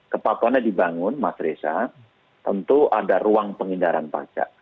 kepatuannya dibangun mas reza tentu ada ruang pengindaran pajak